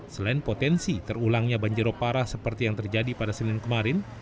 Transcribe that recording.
selain potensi terulangnya banjirop parah seperti yang terjadi pada senin kemarin